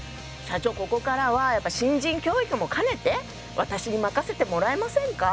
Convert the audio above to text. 社長ここからはやっぱ新人教育も兼ねて私に任せてもらえませんか？